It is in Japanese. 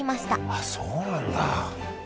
あっそうなんだ。